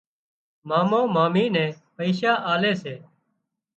مامو مامي نين پئيشا آلي سي